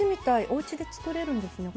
おうちでつくれるんですね。